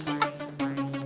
eh siapa ini